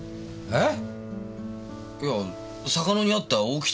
えっ！？